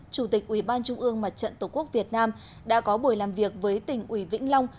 chủ tịch ủy ban trung ương mặt trận tổ quốc việt nam đã có buổi làm việc với tỉnh ủy vĩnh long